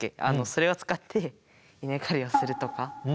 それを使って稲刈りをするとか。